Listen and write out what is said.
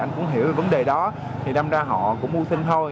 muốn hiểu về vấn đề đó thì đâm ra họ cũng mưu sinh thôi